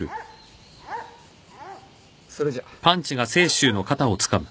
それじゃ。